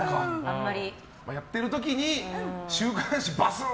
やってる時に週刊誌バスン！